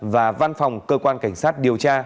và văn phòng cơ quan cảnh sát điều tra